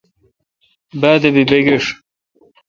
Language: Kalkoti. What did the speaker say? بادبی بگھیݭ۔